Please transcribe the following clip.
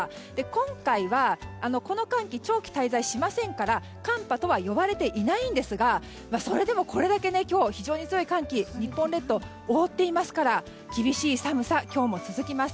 今回はこの寒気長期滞在しませんから寒波とは呼ばれていないんですがそれでもこれだけ今日非常に強い寒気日本列島を覆っていますから厳しい寒さ、今日も続きます。